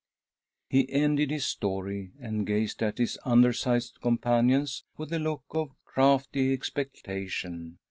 ; He ended his story, and gazed at his undersized companions with a look of crafty expectation.